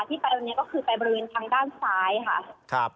ที่ไปวันนี้ก็คือไปบริเวณทางด้านซ้ายค่ะครับ